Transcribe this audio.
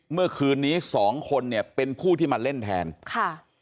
เมื่อคืนนี้สองคนเนี่ยเป็นผู้ที่มาเล่นแทนค่ะ